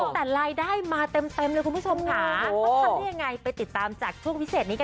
แต่รายได้มาเต็มเลยคุณผู้ชมค่ะ